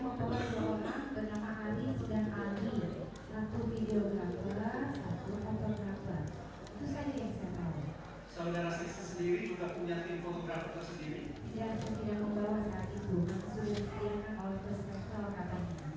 seperti itu di hari ketiga di mekang harinya diberi tanggung ke manisaya harus mengunjungi jemaah yang random untuk bersihkan selaturan ini dan terpotong